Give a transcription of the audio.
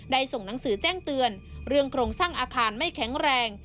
ส่งหนังสือแจ้งเตือนเรื่องโครงสร้างอาคารไม่แข็งแรง